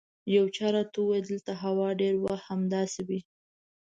یو چا راته وویل دلته هوا ډېر وخت همداسې وي.